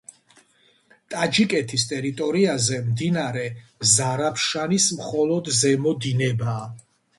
ტაჯიკეთის ტერიტორიაზე მდინარე ზარაფშანის მხოლოდ ზემო დინებაა.